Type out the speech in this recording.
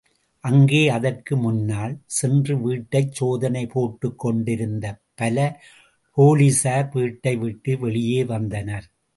அங்கே அதற்கு முன்னால் சென்று வீட்டைச் சோதனை போட்டுக் கொண்டிருந்த பல போலிஸார் வீட்டை விட்டு வெளியே வந்தனர்.